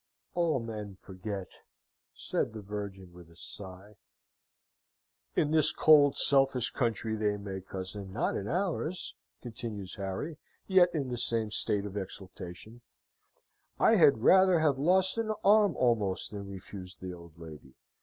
"All men forget!" said the Virgin, with a sigh. "In this cold selfish country they may, cousin, not in ours," continues Harry, yet in the same state of exaltation "I had rather have lost an arm almost than refused the old lady.